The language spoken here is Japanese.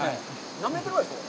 何メートルぐらいですか。